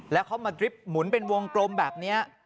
แล้วเขามาดริปหมุนเป็นวงกลมแบบนี้